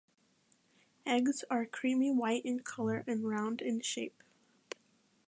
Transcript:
Eggs are creamy white in color and round in shape.